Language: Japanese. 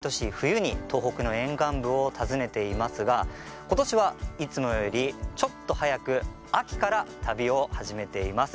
東日本大震災が起きてから僕は毎年、冬に東北の沿岸部を訪ねていますが今年はいつもよりちょっと早く秋から旅を始めています。